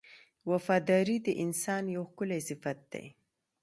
• وفاداري د انسان ښکلی صفت دی.